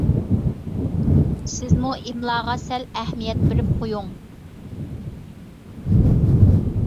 سىزمۇ ئىملاغا سەل ئەھمىيەت بېرىپ قويۇڭ.